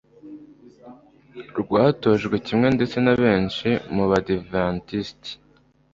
rwatojwe kimwe ndetse na benshi mu Badiventisti